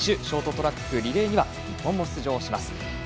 ショートトラックのリレーには日本も出場します。